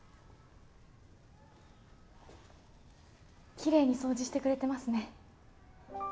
きれいに掃除してくれてますね。